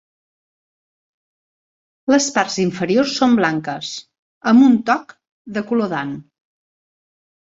Les parts inferiors són blanques amb un toc de color d'ant.